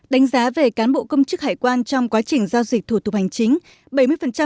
đánh giá về cán bộ công chức hải quan trong quá trình giao dịch thủ tục hành chính